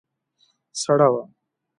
سړه وه.